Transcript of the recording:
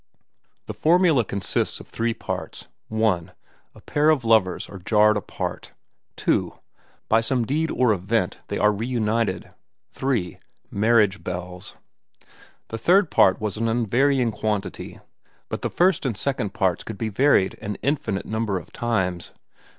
The formula consists of three parts: (1) a pair of lovers are jarred apart; (2) by some deed or event they are reunited; (3) marriage bells. The third part was an unvarying quantity, but the first and second parts could be varied an infinite number of times.